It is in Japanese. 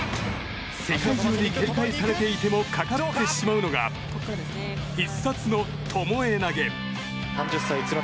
世界中に警戒されていてもかかってしまうのが必殺のともえ投げ。